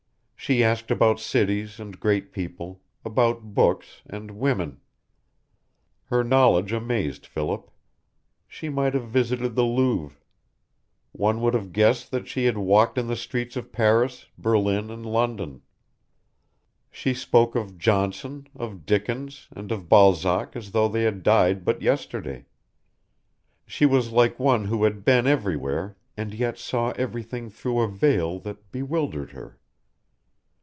She asked about cities and great people, about books and WOMEN. Her knowledge amazed Philip. She might have visited the Louvre. One would have guessed that she had walked in the streets of Paris, Berlin, and London. She spoke of Johnson, of Dickens, and of Balzac as though they had died but yesterday. She was like one who had been everywhere and yet saw everything through a veil that bewildered her.